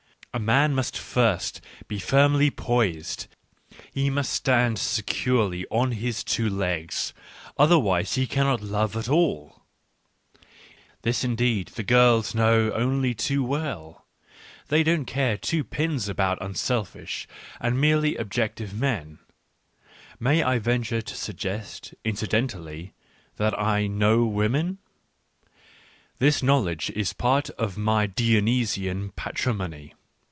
A man must first be firmly poised, he must stand securely on his two legs, otherwise he cannot love at all. Digitized by Google WHY I WRITE SUCH EXCELLENT BOOKS 65 This indeed the girls know only too well : they don't care two pins about unselfish and me rely objective men. . *^iSTay I venture to suggest, incidentally, that I know women? This knowledge is part of my Dionysian patrimony.